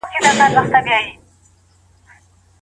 د ښځي ظاهري حالت څنګه د نارينه نظر جلبوي؟